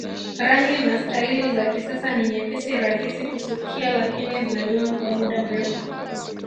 Rangi na staili za kisasa ni nyepesi rahisi kusukia laini zinadumu kwa muda mrefu